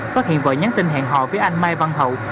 phát hiện vợ nhắn tin hẹn họ với anh mai văn hậu